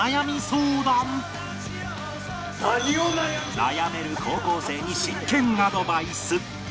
悩める高校生に真剣アドバイス